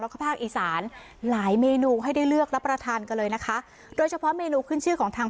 แล้วก็ภาคอีสานหลายเมนูให้ได้เลือกรับประทานกันเลยนะคะโดยเฉพาะเมนูขึ้นชื่อของทาง